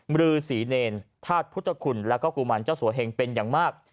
รือศรีเนรธาตุพุทธคุณแล้วก็กุมารเจ้าสัวเหงเป็นอย่างมาก